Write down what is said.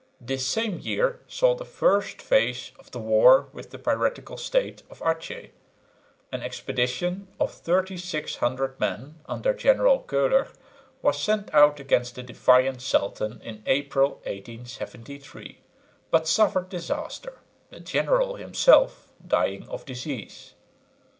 This same year saw the first phase of the war with the piratical state of Achin. An expedition of 3600 men under General Köhler was sent out against the defiant sultan in April, 1873, but suffered disaster, the General himself dying of disease.